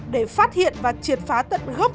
để phát hiện và triệt phá tận gốc